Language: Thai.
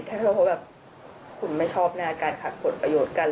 ถ้าเขาแบบคุณไม่ชอบหน้าการขัดผลประโยชน์กัน